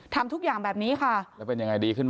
ทำทุกอย่างแบบนี้ค่ะ